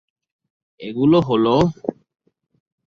এগুলো হলো-